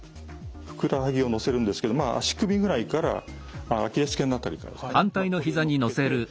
ふくらはぎを乗せるんですけど足首ぐらいからアキレス腱の辺りからですかね